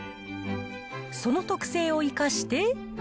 その特性を生かして。